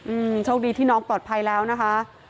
อืมโชคดีที่น้องปลอดภัยแล้วนะคะ